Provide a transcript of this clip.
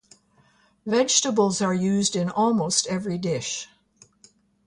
Vegetables are used in almost every dish.